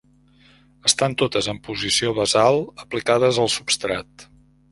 Estan totes en posició basal, aplicades al substrat.